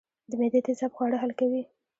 د معدې تیزاب خواړه حل کوي